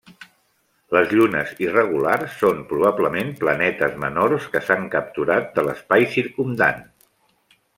Les llunes irregulars són probablement planetes menors que s'han capturat de l'espai circumdant.